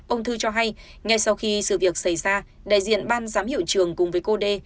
ông thư cho hay ngay sau khi sự việc xảy ra đại diện ban giám hiệu trường cùng với cô đê